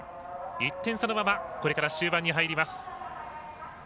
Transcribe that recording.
１点差のまま終盤に入ります。